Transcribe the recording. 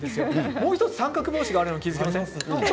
もう１つ三角帽子があるの気付きますか？